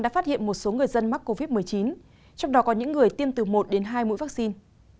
đã phát hiện một số người dân mắc covid một mươi chín trong đó có những người tiêm từ một đến hai mũi vaccine